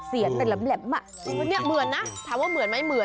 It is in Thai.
อุ้ยจริงคุณชีสาคุณอุปยอดจินตนาการนี่เหมือนนะถามว่าเหมือนไหมเหมือน